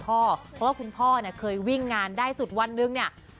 เพราะว่าคุณพ่อเคยวิ่งงานได้สุดวันนึง